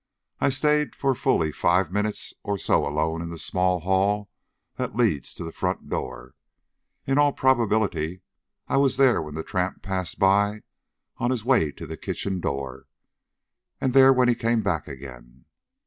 I stayed for fully five minutes or so alone in the small hall that leads to the front door. In all probability I was there when the tramp passed by on his way to the kitchen door, and there when he came back again."